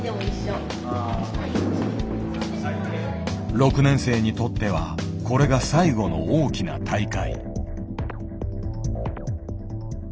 ６年生にとってはこれが最後の大きな大会。